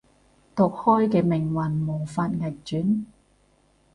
毒開嘅命運無法逆轉